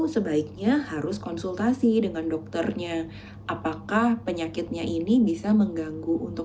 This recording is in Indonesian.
sebaiknya harus konsultasi dengan dokternya apakah penyakitnya ini bisa mengganggu untuk